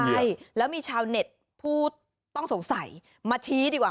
ใช่แล้วมีชาวเน็ตผู้ต้องสงสัยมาชี้ดีกว่า